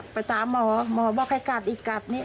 ไปตามหมอมองว่าไข้กัดอีกกัด